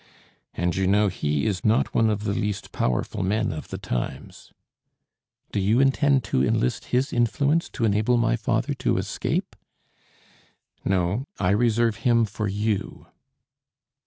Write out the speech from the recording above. "And you know he is not one of the least powerful men of the times." "Do you intend to enlist his influence to enable my father to escape?" "No, I reserve him for you."